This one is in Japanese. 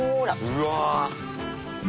うわ！